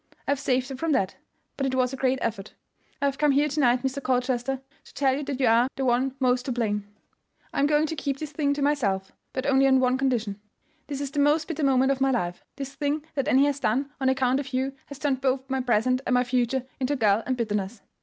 I have saved her from that; but it was a great effort. I have come here to night, Mr. Colchester, to tell you that you are the one most to blame. I am going to keep this thing to myself; but only on a condition. This is the most bitter moment of my life; this thing that Annie has done on account of you has turned both my present and my future into gall and bitterness.